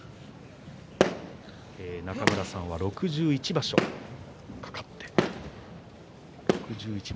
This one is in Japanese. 中村さんは６１場所かかって三役に。